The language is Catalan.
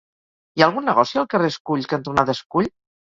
Hi ha algun negoci al carrer Escull cantonada Escull?